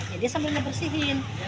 jadi dia sambil ngebersihin